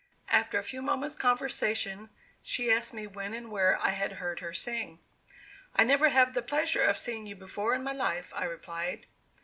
After a few moments' conversation, she asked me when and where I had heard her sing. "I never had the pleasure of seeing you before in my life," I replied.